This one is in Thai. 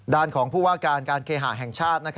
ของผู้ว่าการการเคหาแห่งชาติ